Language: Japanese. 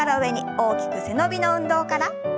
大きく背伸びの運動から。